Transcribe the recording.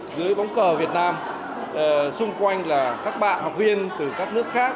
dưới bóng cờ việt nam xung quanh là các bạn học viên từ các nước khác